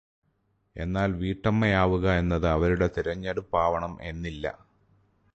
എന്നാൽ വീട്ടമ്മയാവുക എന്നത് അവരുടെ തിരഞ്ഞെടുപ്പാവണം എന്നില്ല.